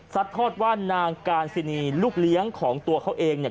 ทอดว่านางการซินีลูกเลี้ยงของตัวเขาเองเนี่ย